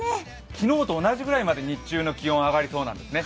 昨日と同じぐらいまで日中の気温、上がりそうなんですね。